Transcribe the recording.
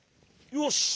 よし。